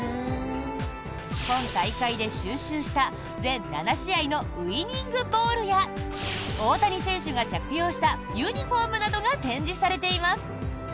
今大会で収集した全７試合のウィニングボールや大谷選手が着用したユニホームなどが展示されています。